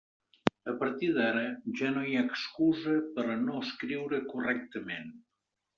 A partir d'ara ja no hi ha excusa per a no escriure correctament.